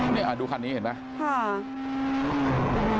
นี่ดูคันนี้เห็นไหม